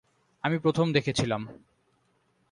আমি প্রথম দেখেছিলাম!